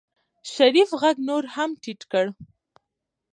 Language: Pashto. شريف غږ نور هم ټيټ کړ.